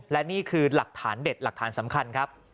และนี่คือหลักฐานเด็ดหลักฐานสำคัญครับ